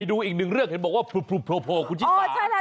ไปดูอีกหนึ่งเรื่องเค้าบอกว่าภูของคุณชิคกี้พาย